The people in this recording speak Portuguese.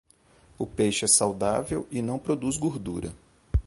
O peixe é saudável e não produz gordura.